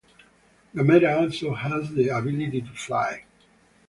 Gamera also has the ability to fly.